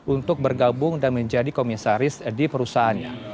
untuk bergabung dan menjadi komisaris di perusahaannya